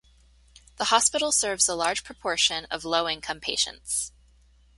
The hospital serves a large proportion of low-income patients.